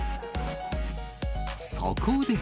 そこで。